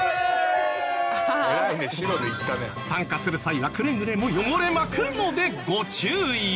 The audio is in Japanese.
参加する際はくれぐれも汚れまくるのでご注意を。